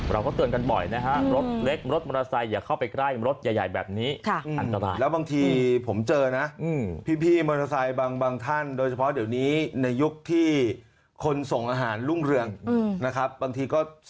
เราก็เตือนกันบ่อยนะคะรถเล็กรถมอเตอร์ไซค์